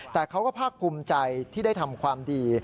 แต่เขาก็ภาคภูมิใจที่ได้ทำความดี